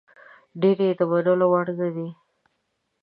ډېرې یې د منلو وړ نه دي.